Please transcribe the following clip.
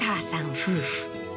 夫婦